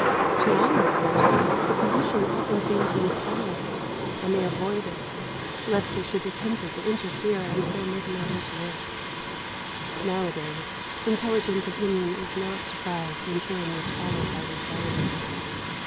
To onlookers the position often seems intolerable, and they avoid it, lest they should be tempted to interfere and so make matters worse. Nowadays, intelligent opinion is not surprised when tyranny is followed by rebellion.